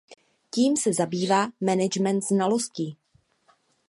Tím se zabývá management znalostí.